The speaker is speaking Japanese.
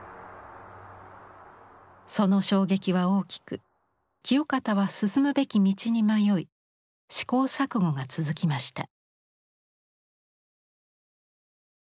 その衝撃は大きく清方は進むべき道に迷い試行錯誤が続きました。